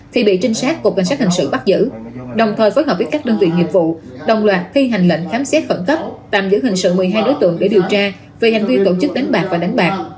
thì bị trinh sát cục cảnh sát hình sự bắt giữ đồng thời phối hợp với các đơn vị nghiệp vụ đồng loạt thi hành lệnh khám xét khẩn cấp tạm giữ hình sự một mươi hai đối tượng để điều tra về hành vi tổ chức đánh bạc và đánh bạc